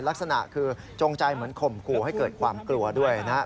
ลักษณะคือจงใจเหมือนข่มขู่ให้เกิดความกลัวด้วยนะครับ